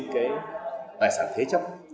cái tài sản thế chấp